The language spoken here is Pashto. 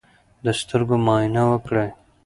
د سترګو معاینه وکړئ.